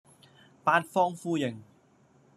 八方呼應